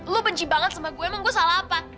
lu benci banget sama gue emang gue salah apa